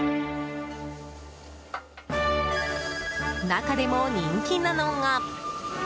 中でも人気なのが。